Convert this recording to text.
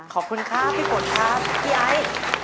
ขอบคุณค่ะพี่โกรธครับพี่ไอ้